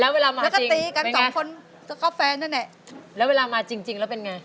แล้วเวลามาจริงแล้วก็ตีกันสองคนเข้าแฟนแล้วเนี่ยแล้วเวลามาจริงแล้วเป็นไง